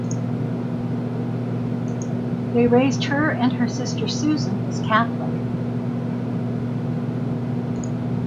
They raised her and her sister Susan as Catholic.